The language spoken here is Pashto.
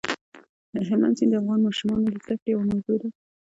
هلمند سیند د افغان ماشومانو د زده کړې یوه موضوع ده.